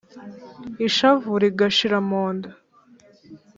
ishavu rigashira mu nda